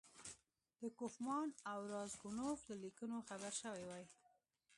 د کوفمان او راسګونوف له لیکونو خبر شوی وای.